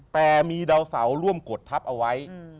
แต่มีดาวเสาร่วมกดทับเอาไว้